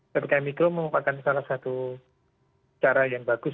ptkm micro merupakan salah satu cara yang bagus